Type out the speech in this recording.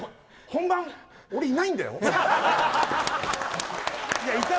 本番いないんだよ